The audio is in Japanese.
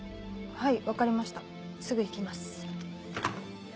はい。